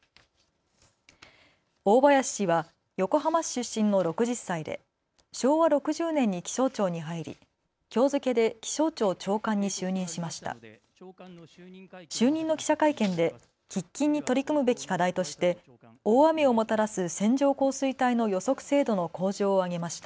大林氏は横浜市出身の６０歳で昭和６０年に気象庁に入りきょう付けで気象庁長官に就任しました。